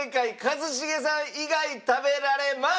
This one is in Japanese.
一茂さん以外食べられます！